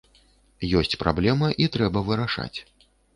Ёсць праблема і трэба вырашаць.